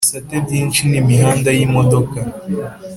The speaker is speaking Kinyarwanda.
ibisate byinshi n'imihanda y'imodoka.